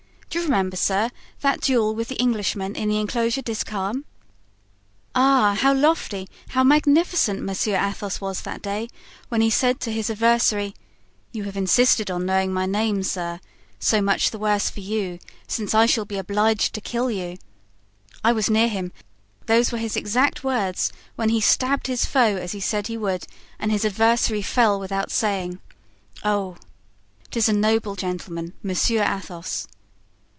Do you remember, sir, that duel with the Englishman in the inclosure des Carmes? Ah! how lofty, how magnificent Monsieur Athos was that day, when he said to his adversary: 'You have insisted on knowing my name, sir; so much the worse for you, since I shall be obliged to kill you.' I was near him, those were his exact words, when he stabbed his foe as he said he would, and his adversary fell without saying, 'Oh!' 'Tis a noble gentleman—Monsieur Athos."